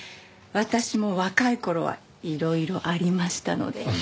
私も若い頃はいろいろありましたので。